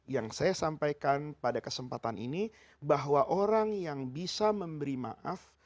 yang saya sampaikan pada kesempatan ini bahwa orang yang bisa memberi maaf